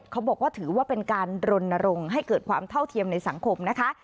ถือว่าเป็นการรณรงค์ให้เกิดความเท่าเทียมในสังคมนะคะ